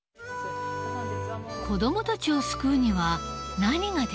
子どもたちを救うには何ができるのか。